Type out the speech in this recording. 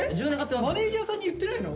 マネージャーさんに言ってないの？